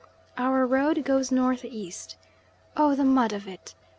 Our road goes N.E. Oh, the mud of it!